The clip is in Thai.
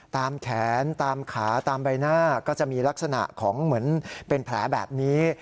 ตามแขนตามขาตามใบหน้าก็จะมีลักษณะของเหมือนเป็นแผลแบบนี้